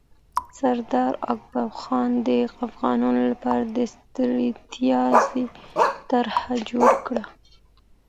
سردار اکبرخان د افغانانو لپاره د ستراتیژۍ طرحه جوړه کړه.